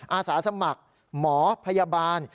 อาสาสมัครหมอพยาบาล